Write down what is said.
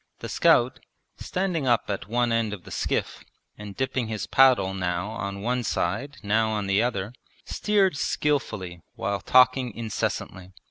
The scout, standing up at one end of the skiff and dipping his paddle now on one side now on the other, steered skilfully while talking incessantly.